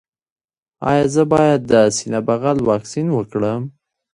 ایا زه باید د سینه بغل واکسین وکړم؟